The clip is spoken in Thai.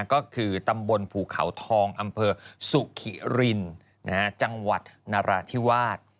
ก็คือตำบลภูเขาทองอำเภอสุขิรินจังหวัดนราธิวาส